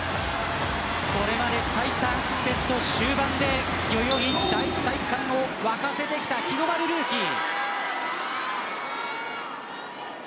これまで再三セット終盤で代々木第一体育館を沸かせてきた日の丸ルーキー。